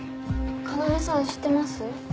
要さん知ってます？